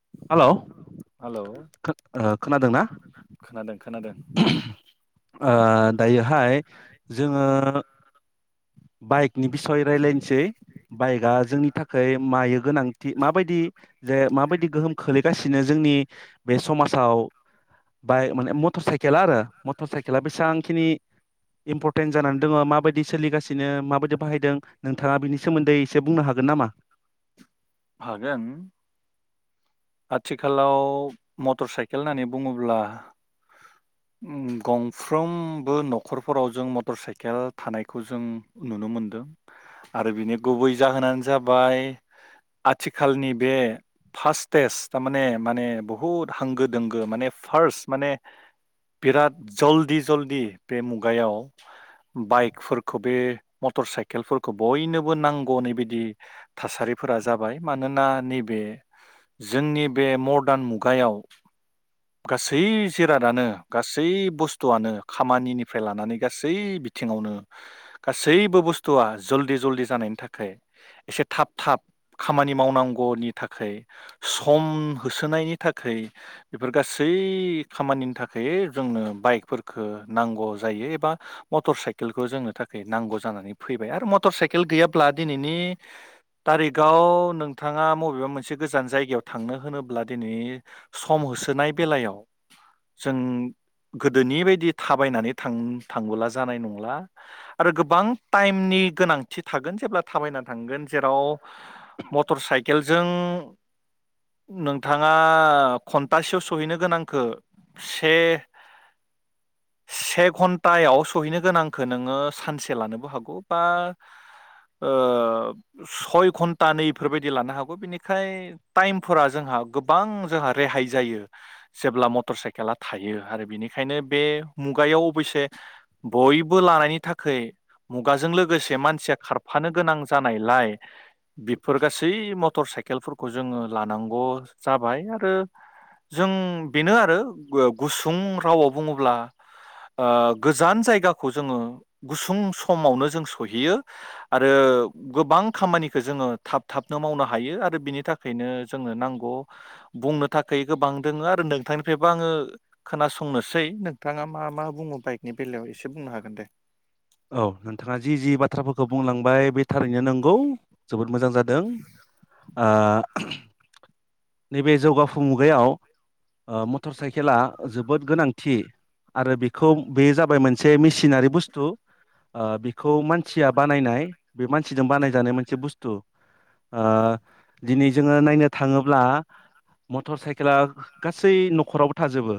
[unintelligible] खो ओ खोनादोंना [inaudible] ओ दायोहाय जोङो बाइकनि बिसय रायलायनोसै बाइकआ जोंनि थाखाय मायो गोनांथि माबायदि जे माबायदि गोहोम खोलैगासिनो जोंनि बे समाजाव बाइक माने मटर साइकेला आरो मटर साइकेला बेसेबांखिनि इम्परटेन्ट जानानै दङ माबायदि सोलिगासिनो माबादि बाहायदों नोंथाङा बिनि सोमोन्दै एसे बुंनो हागोन नामा? आथिखालाव मटर साइकेल होननानै बुङोब्ला गंफ्रोमबो नखरफोराव जों मटर साइकेल थानायखौ जों नुनो मोनदों आरो बिनि गुबै जाहोनानो जाबाय आथिखालनि बे फास्टेसट थारमाने माने बहुद होंगो दोंगो माने फार्स्ट माने बिराद जल्दि जल्दि बे [unintelligible] बाइकफोरखौ बे मटर साइकेलफोरखौ बयनोबो [unintelligible] बादि थासारिफोरा जाबाय मानोना नैबे जोंनि बे मदार्न मुगायाव गासै जिरादानो गासै बुस्थुआनो खामानिनिफ्राय लानानै गासै बिथिङावनो गासैबो बुस्थुआ जल्दि जल्दि जानायनि थाखाय एसे थाब थाब खामानि मावनांगनि थाखाय सम होसोनायनि थाखाय बेफोर गासै खामानिनि थाखाय जोंनो बाइकफोरखो नांगौ जायो एबा मटर साइकेलखौ जोंनो थाखाय नांगौ जानानै फैबाय आरो मटर साइकेल गैयाब्ला दिनैनि तारिकाव नोंथाङा मबेबा मोनसे गोजान जायगायाव थांनो होनोब्ला दिनै स सम होसोनाय बेलायाव जों गोदोनि बायदि थाबायनानै थां-थांबोला जानाय नंला आरो गोबां टाइमनि गोनांथि थागोन जेब्ला थाबायना थांगोन जेराव मटर साइकेलजों नोंथाङा [unintelligible] याव सहैनो गोनांखो से से घन्टायाव सहैनो गोनांखो नोङो सानसे लानोबो हागौ बा ओ सय घन्टा नै इफोरबायदि लानो हागौ बिनि खाय टाइमफोरा जोंहा गोबां जोंहा रेहाय जायो जेब्ला मटर साइकेला थायो आरो बिनिखायनो बे मुगायाव अबयसे बयबो लानायनि थाखाय मुगाजों लोगोसे मानसिया खार हानो गोनां जानायलाय बेफोर गासै मटर साइकेलफोरखौ जोङो लानांगौ जाबाय आरो जों बेनो आरो गुस सुं रावाव बुङोब्ला ओ गोजान जायगाखौ जोंडो गुसुं स मावनो जों सहैयो आरो गोबां खामानिखौ जोङो थाब थाबनो मावनो हायो आरो बिनि थाखायनो जोंनो नांगौ बुंनो थाखै गोबां दोङ आरो नोंथांनिफ्रायबो आङो खोनासंनोसै नोंथाङा मा मा बुङो बाइकनि बेलायाव ए औ नोंथाङा जि जि बाथ्राफोरखौ बुंलां बाय बे थारैनो नंगौ जोबोद मो जां जा दों आ नैबे जौगाफु मुगायाव ओ मटर साइकेला जोबोद गोनांथि आरो बेखौ बे जाबाय मोनसे मेसिनारि बुस्थु ओ बेखौ मानसिया बानायनाय बे मानसिजों बानायजानाय मोनसे बुस्थु। ओ दिनै जोङो नायनो थाङो मटर साइकेला गासै न'खरावबो थाजोबो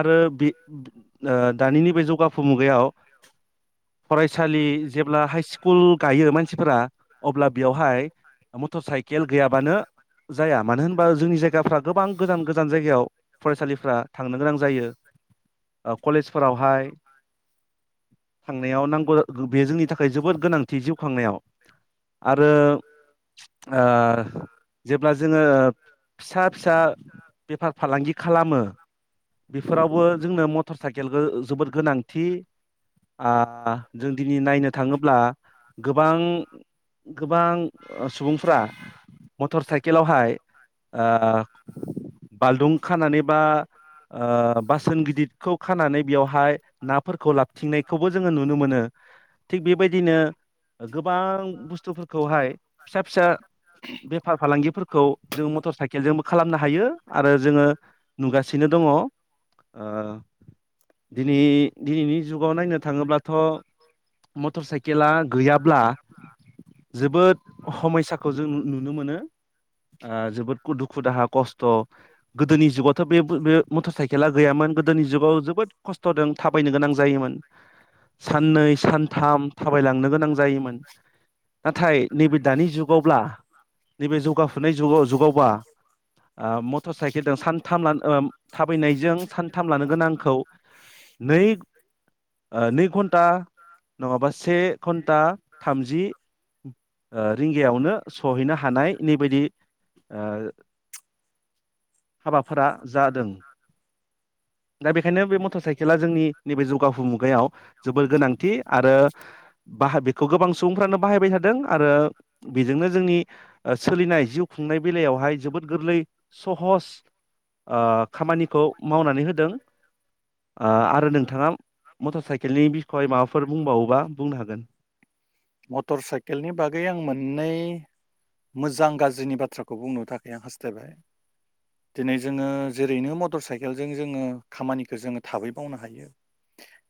आरो बे ओ दानि बे जौगाफु मुगायाव फरायसालि जेब्ला हाइ स्कुल गायो मानसिफोरा अब्ला बेयावहाय मटर साइकेल गैयाबानो जाया। मानो होनबा जों गाफ्रा गोबां गोजान गोजान जायगायाव फरायसालिफ्रा थांनो गोनां जायो कलेजफोरावहाय थांनायाव नांगौ बे जोंनि थाखाय जोबोद गोनांथि जिउ खांनायाव आरो ओ जेब्ला जोङो फिसा फिसा बेफार फालांगि खालामो बेफोरावबो जोंनो मटर साइकेलखो जोबोद गोनांथि आ जों दिनै नायनो थाङोब्ला गोबां गोबां सुबुंफ्रा मटर साइ केेलावहाय आ बालदुं खानानै बा ओ बासोन गिदिरखौ खानानै बेयावहाय नाफोरखौ लाबथिंनायखौबो जोङो नुनो मोनो। थिग बेबायदिनो गोबां बुस्थुफोरखौहाय फिसा फिसा बेफार फालांगि खौ जों मत केलजोंबो खालामनो हायो आरो जोङो नुगासिनो दं दिनै दिनैनि जुगाव नायनो थाङोब्लाथ' मटर साइकेला गैयाब्ला जोबोद हमयसाखौ जों नुनो मोनो। ओ जोबोर दुखु दाहा खस्थ' गोदोनि जुगावथ' बे मटर साइकेला गैयामोन गोदोनि जुगाव जोबोद खस्थ'जों थाबायनो गोनां जायोमोन साननै सानथाम थाबायलांनो गोनां जायोमोन नाथाय नैबे दानि जुगावब्ला नैबे जौगाफुनाय जुगाव जुगाव [unintelligible] हानायनि बादि ओ हाबाफोरा जादों। दा बेखायनो बे मटर साइकेला जोंनि नैबे जौगाफु मुगायाव जोबोर गोनांथि आरो बाहाय बेखौ गोबां सुबुंफ्रानो बाहायबाय थादों आरो बेजोंनो जोंनि सोलिनाय जिउ खुंनाय बेलायावहाय जोबोद गोरलै सहस अ खामानिखौ मावनानै हो दों ओ आरो नोंथाङा मटर साइकेलनि बिखय माबाफोर बुंबावोबा बुंनो हागोन। मोजां गाज्रिनि बाथ्राखौ बुंनो थाखाय आं हास्थायबाय। दिनै जोङो जेरैनो मटर साइकेलजों जोङो खामानिखौ जोङो थाबै मावनो हायो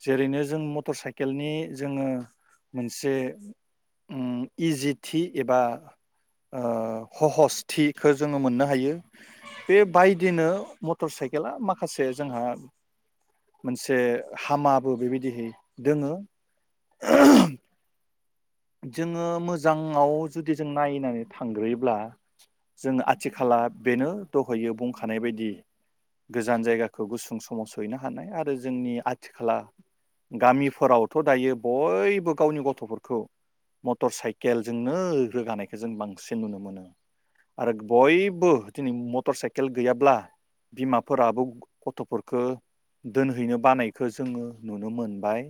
जेरैनो जों मटर साइकेलनि जोङो मोनसे उम इजिथि एबा ओ हहसथिखौ जोङो मोननो हायो। बे बायदिनो मटर साइकेला माखासे जोंहा मोनसे हामाबो बेबायदिहै दोङो। जोङो मोजाङाव जुदि जों नायनानै थांग्रोयोब्ला जों आथिखाला बेनो दहैयो बुंखानाय बायदि गोजान जायगाखौ गुसुं समाव सहैनो हानाय आरो जोंनि आथिखाला गामिफोरावथ' दायो बयबो गावनि गथफोरखो मटर साइकेलजोंनो रोगानायखौ जों बांसिन नुनो मोनो आरो बयबो दिनै मटर साइकेल गैयाब्ला बिमाफोराबो गथ'फोरखो दोनहैनो बानायखौ जोङो नुनो मोनबाय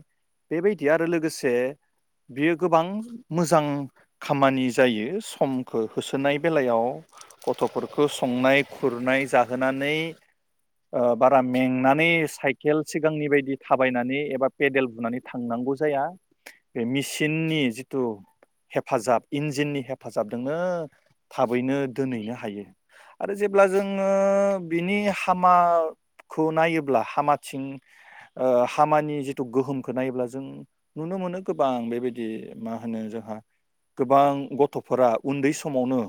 बेबायदि आरो लोगोसे बेयो गोबां मोजां खामानि जायो समखौ होसोनाय बेलायाव गथ'फोरखो संनाय खुरनाय जाहोनानै ओ बारा मेंनानै साइकेल सिगांनि बायदि थाबायनानै एबा पेदेल बुनानै थांनांगौ जाया बे मिसि सिननि जिथु हेफाजाब इन्जिननि हेफाजाब दोंनो थाब बैनो दोनहैनो हायो। आरो जेब्ला जोङो बिनि हामा खौ नायोब्ला हामाथिं ओ हामानि जिथु गोहोमखौ नायोब्ला जों नुनो मोनो गोबां बेबायद बिदि मा होनो जोंहा गोबां गथ'फोरा उन्दै समावनो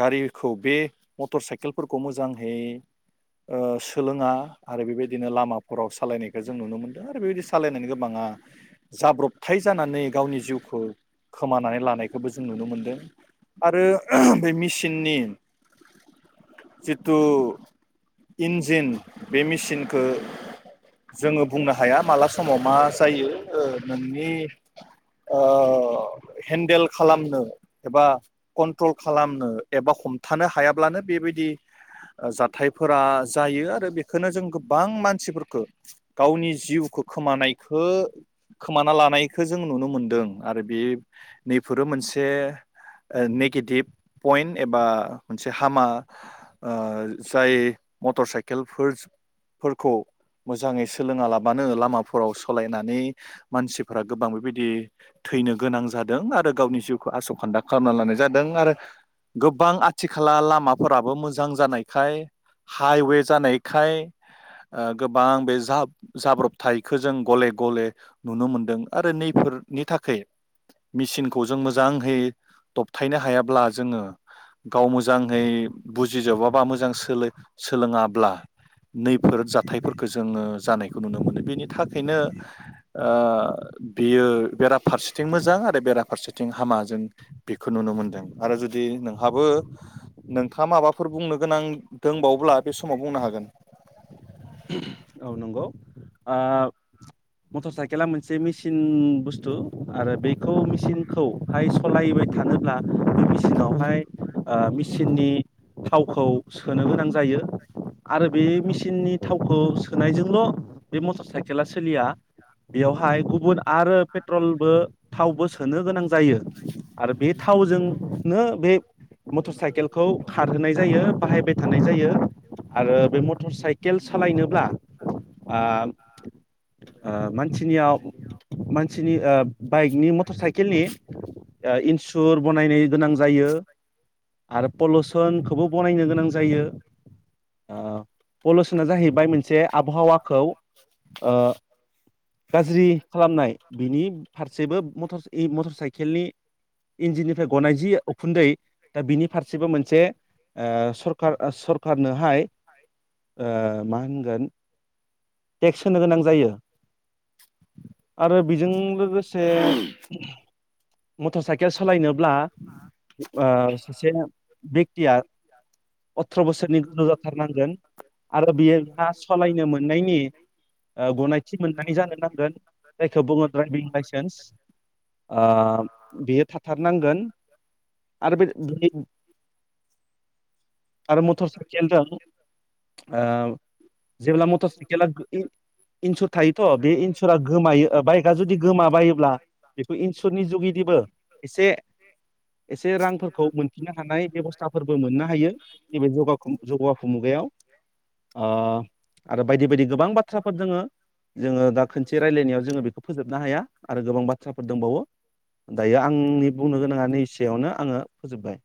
गारिखौ बे मटर साइकेलफोरखौ मोजांहै ओ सोलोङा आरो बेबायदिनो लामाफोराव सालायनायखौ जों नुनो मोनदों आरो बेबायदि सालायनानै गोबाङा जाब्रबथाय जानानै गावनि जिउखौ खोमानानै लानायखौबो जों नुनो मोनदों आरो बे मेसिननि जिथु इन्जिन बे मेसिनखौ जोङो बुंनो हाया माला समाव मा जायो ओ नोंनि ओ हेन्देल खालामनो एबा कन्ट्रल खालामनो एबा हमथानो हायाब्लानो बेबायदि ओ जाथायफोरा जायो आरो बेखौनो जों गोबां मानसिफोरखौ गावनि जिउखौ खोमानायखो खोमाना लानाय खो जों नुनो मोनदों आरो बे नैफोरो मोनसे ओ नेगेटिभ पइन्ट एबा मोनसे हामा ओ जाय मटर साइकेलफोरस फोरखौ मोजाङै सोलोङालाबानो लामाफोराव सलायनानै मानसिब फोरा गोबां बेबायदि थैनो गोनां जादों आरो गावनि जिउखौ आस'खान्दा खालामना लानाय जादों आरो गोबां आथिखाला लामाफोर बाबो मोजां जानायखाय हाइवे जानायखाय ओ गोबां बे जाब जाब्रबथायखो जों गले गले नुनो मोन्दों। आरो नैफोरनि थाखाय मेसिनखौ जों मोजांहै दबथायनो हायाब्ला जोङो गाव मोजांहै बुजिजोबाबा मोजां सोलों सोलोङाब्ला नैफोर जाथायफोरखौ जोङो जानायखौ नुनो मोनो बेनि थाखायनो ओ बेयो बेराफारसेथिं मोजां आरो बेराफारसेथिं हामा जों बेखौ नुनो मोनदों आरो जुदि नोंहाबो नोंथाङा माबाफोर बुंनो गोनां दोंबावोब्ला बे समाव बुंनो हागोन। औ नंगौ ओ मटर साइकेला मोनसे मेचिन बुस्थु आरो बेखौ मेचिनखौहाय सालायबाय थानोब्ला बे मेचिनावहाय ओ मेचिननि थावखौ सोनो गोनां जायो आरो बे मेसिननि खौ सोनायजोंल बे मटर साइक साइकेला सोलिया बेयावहाय गुबुन आरो पेट्रलबो थावबो सोनो गोनां जायो आरो बे थावजोंनो बे मटर साइकेलखौ खारहोनाय जायो बाहायबाय थानाय जायो। आरो बे मटर साइक केल सालायनोब्ला आ आ मानसिनियाव मानसिनि आब बाइकनि मटर साइकेलनि ओ इन्सुर बनायनो गोनां जायो आरो पलुसनखौबो बनायनो गोनां जायो आ पलुसना जाहैबाय मोनसे आबहावाखौ ओ गाज्रि खालामनाय बिनि फारसेबो मटर मटर साइकेलनि इन्जिननिफ्राय गनाय जि उखुन्दै दा बिनि फारसेबो मोनसे ओ सरकार सरकरनोहाय ओ मा होनगोन टेक्स होनो गोनां जायो। आरो बेजों लोगोसे मटर साइकेल सालायनोब्ला ओ सासे बेक्तिया अथ्र' बोसोरनि गोजौ जाथार नांगोन। आरो बियो बिहा सालायनो मोननायनि ओ गनायथि मोननाय जानो नांगोन जायखौ बुङो ड्रायबिं लायसेन्स आ बियो थाथारनांगोन आरो बे आरो मटर सायखेलजों ओ जेब्ला मटर साइकेला इन्सुर थायोथ' बे इन्सुरा गोमायो बाइकआ जुदि गोमाबायोब्ला बेखौ इन्सुरनि जुगिदिबो एसे एसे रांफोरखौ मोनफिननो हानाय बेबस्थाफोरबो मोननो हायो। नैबे जौगाखां जौगाफु मुगायाव। ओ आरो बायदि बायदि गोबां बाथ्राफोर दोङो जोङो दा खनसे रायलायनायाव जोङो बेखौ फोजोबनो हाया आरो गोबां बाथ्राफोर दंबावो दायो आंनि बुंनो गोनाङा नै इसेयावनो आङो फोजोबबाय।